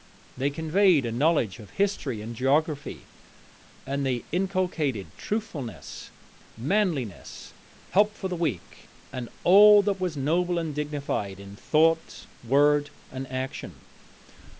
They conveyed a knowledge of history and geography, and they inculcated truthfulness, manliness, help for the weak, and all that was noble and dignified in thought, word, and action.